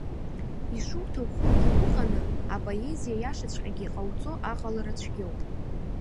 Ишуҭахугьы уҟаны, апоезиа иашаҵәҟьагьы ҟауҵо аҟалара цәгьоуп.